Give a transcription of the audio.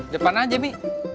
jepan aja mi